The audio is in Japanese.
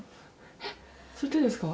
えっそれ手ですか？